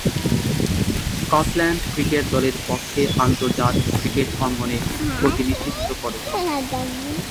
Scotland cricket দলের পক্ষে আন্তর্জাতিক ক্রিকেট অঙ্গনে প্রতিনিধিত্ব করছেন।